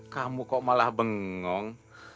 kamu kok malah bengong